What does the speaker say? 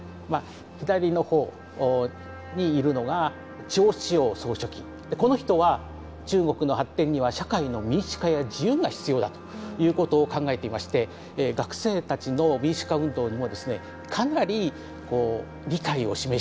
左の方にいるのがこの人は中国の発展には社会の民主化や自由が必要だということを考えていまして学生たちの民主化運動にもですねかなりこう理解を示していた。